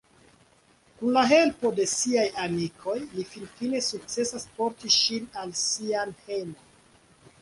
Kun la helpo de siaj amikoj, li finfine sukcesas porti ŝin al sian hejmon.